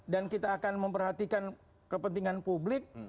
dan kita akan memperhatikan kepentingan publik